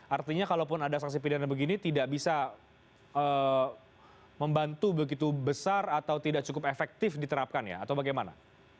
artinya kalaupun ada sanksi pidana begini tidak bisa membantu begitu besar atau tidak cukup efektif diterapkan ya atau bagaimana